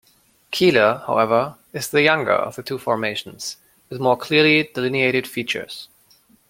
Keeler, however, is the younger of the two formations, with more clearly delineated features.